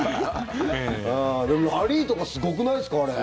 でも、ラリーとかすごくないっすか、あれ。